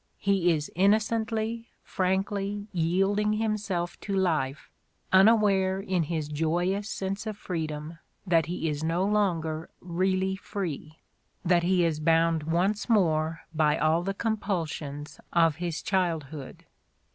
He is innocently, frankly yielding himself to life, unaware in his joyous sense of freedom that he is no longer really free, that he is bound once more by all the compulsions of his childhood.